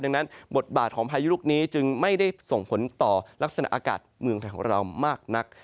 ดังนั้นบทบาทของพายุลูกนี้จึงไม่ได้ส่งผลต่อลักษณะอากาศเมืองไทยของเรามากนัก